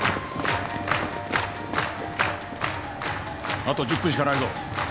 あと１０分しかないぞ。